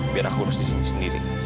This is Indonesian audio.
biar aku urus disini sendiri